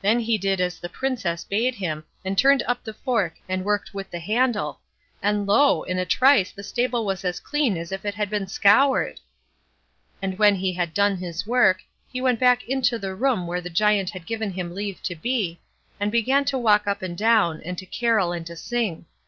Then he did as the Princess bade him, and turned up the fork and worked with the handle, and lo! in a trice the stable was as clean as if it had been scoured. And when he had done his work, he went back into the room where the Giant had given him leave to be, and began to walk up and down, and to carol and sing.